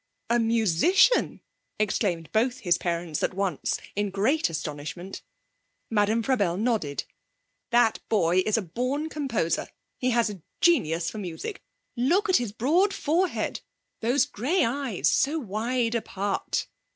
'A musician!' exclaimed both his parents at once, in great astonishment. Madame Frabelle nodded. 'That boy is a born composer! He has genius for music. Look at his broad forehead! Those grey eyes, so wide apart!